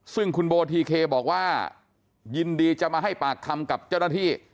ซึ่งคุณโบทีเคบอกว่ายินดีจะมาให้ปากคำกับเจ้าหน้าที่